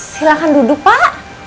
silakan duduk pak